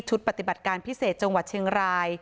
ปฏิบัติการพิเศษจังหวัดเชียงราย